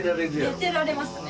寝てられますね。